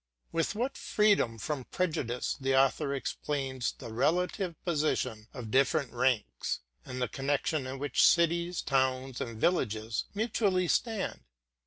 With what freedom from prejudice the author explains the relative position of different ranks, and the connection in which cities, towns, and villages mutually stand!